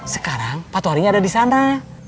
sekarang patoharinya ada di sana